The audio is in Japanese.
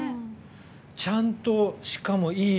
ちゃんと、しかもいい